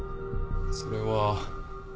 それは。